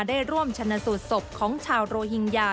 ได้ร่วมชนะสูตรศพของชาวโรฮิงญา